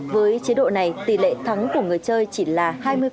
với chế độ này tỷ lệ thắng của người chơi chỉ là hai mươi